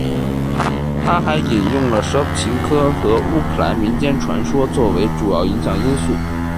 他还引用了舍甫琴科和乌克兰民间传说作为主要影响因素。